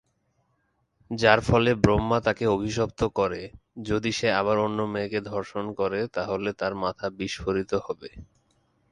যারা ফলে ব্রহ্মা তাকে অভিশপ্ত করে, যদি সে আবার অন্য মেয়েকে ধর্ষণ করে তাহলে তার মাথা বিস্ফোরিত হবে।